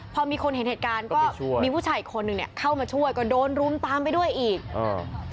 พอมีคนเห็นเหตุการณ์ก็มีผู้ชายอีกคนนึงเนี้ยเข้ามาช่วยก็โดนรุมตามไปด้วยอีกเออ